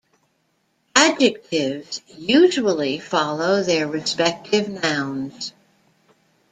Adjectives usually follow their respective nouns.